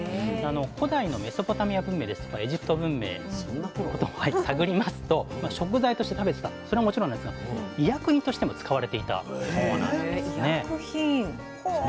古代のメソポタミア文明ですとかエジプト文明探りますと食材として食べてたそれはもちろんなんですが医薬品としても使われていたそうなんですね。へ医薬品。